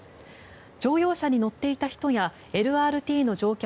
乗用車に乗っていた人やＬＲＴの乗客